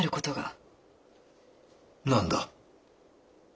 何だ？